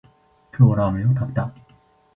今日はラーメンを食べた